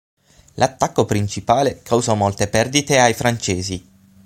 L'attacco principale causò molte perdite ai francesi.